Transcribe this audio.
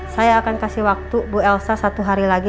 saya akan kasih waktu bu elsa satu hari lagi